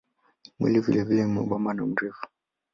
Mwili vilevile ni mwembamba na mrefu.